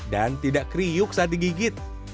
dan tidak kriuk saat digigit